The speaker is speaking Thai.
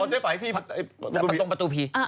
เอาเจ๊ไฝที่ประตูพี